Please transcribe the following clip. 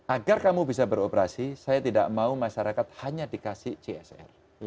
agar kamu bisa beroperasi saya tidak mau masyarakat hanya dikasih csr